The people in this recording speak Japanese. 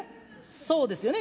そうですよね。